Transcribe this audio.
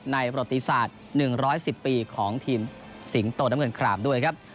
ประติศาสตร์๑๑๐ปีของทีมสิงโตน้ำเงินครามด้วยครับ